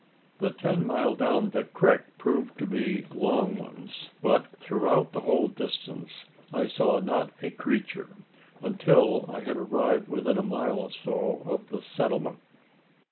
The "ten mile down da crik" proved to be long ones; but throughout the whole distance I saw not a creature, until I had arrived within a mile or so of the "settlement!"